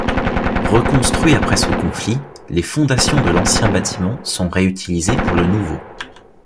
Reconstruit après ce conflit, les fondations de l'ancien bâtiment sont réutilisées pour le nouveau.